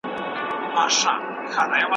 جهاني به په لحد کي وي هېر سوی